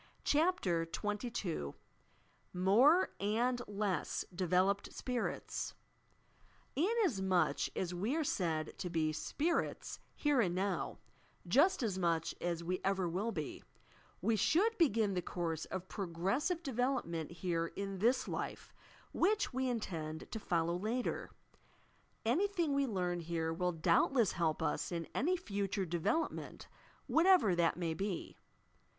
CHAPTER XXII MORE AND LESS DEVELOPED SPIRITS i Inasmuch as we are said to be "spirits" here and now, — just as mucli as we ever will be, — we should begin the course of progressive development here in this life, which we intend to follow later. Anything we learn here will doubtless help us in any future development what ever that may be.